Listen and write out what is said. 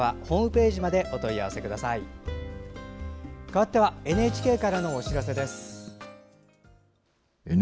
かわってはＮＨＫからのお知らせです。